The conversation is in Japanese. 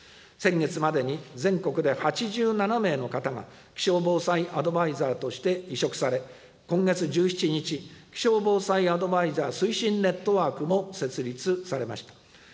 先月までに、全国で８７名の方が、気象防災アドバイザーとして委嘱され、今月１７日、気象防災アドバイザー推進ネットワークも設立されました。